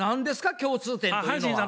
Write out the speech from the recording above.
共通点というのは？